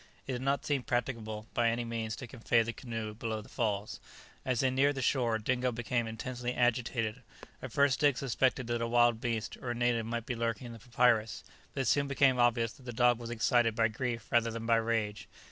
It did not seem practicable by any means to convey the canoe below the falls. As they neared the shore, Dingo became intensely agitated. At first Dick suspected that a wild beast or a native might be lurking in the papyrus, but it soon became obvious that the dog was excited by grief rather than by rage.